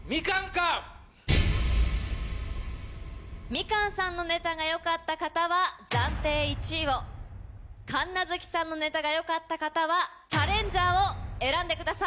みかんさんのネタがよかった方は暫定１位を神奈月さんのネタがよかった方はチャレンジャーを選んでください。